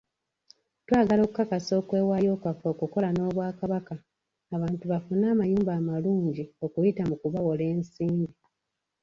Twagala okukakasa okwewaayo kwaffe okukola n'Obwakabaka abantu bafune amayumba amalungi okuyita mu kubawola ensimbi.